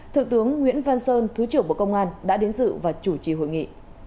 thượng tướng nguyễn văn sơn thứ trưởng bộ công an đã đến dự và chủ trì hội nghị